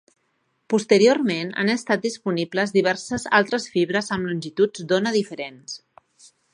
Posteriorment, han estat disponibles diverses altres fibres amb longituds d'ona diferents.